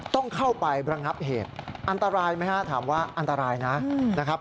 ต้องเข้าไประงับเหตุอันตรายไหมฮะถามว่าอันตรายนะครับ